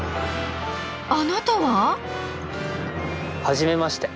あなたは？はじめまして。